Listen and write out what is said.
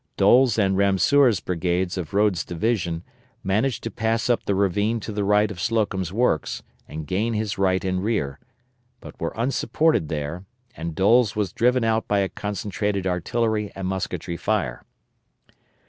Doles' and Ramseur's brigades of Rodes' division, managed to pass up the ravine to the right of Slocum's works and gain his right and rear, but were unsupported there, and Doles was driven out by a concentrated artillery and musketry fire.